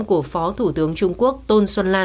của phó thủ tướng trung quốc tôn xuân lan